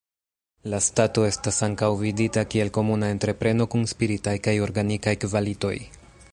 La stato estas ankaŭ vidita kiel komuna entrepreno kun spiritaj kaj organikaj kvalitoj.